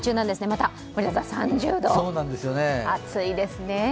また３０度、暑いですね。